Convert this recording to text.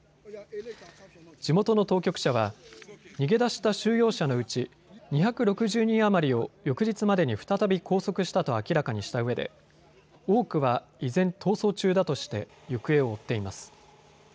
地元の当局者は逃げ出した収容者のうち２６０人余りを翌日までに再び拘束したと明らかにしたうえで多くは依然、逃走中だとして行方を追っています。